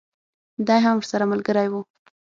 دی هم ورسره ملګری وو.